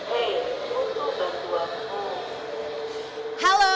hey untuk bantu aku